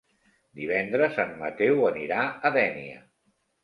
Divendres en Mateu anirà a Dénia.